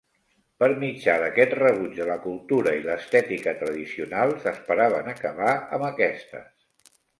Per mitjà d'aquest rebuig de la cultura i l'estètica tradicionals esperaven acabar amb aquestes.